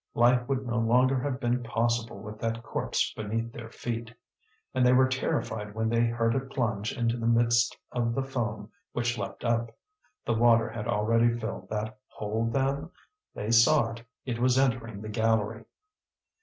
Life would no longer have been possible with that corpse beneath their feet. And they were terrified when they heard it plunge into the midst of the foam which leapt up. The water had already filled that hole, then? They saw it; it was entering the gallery.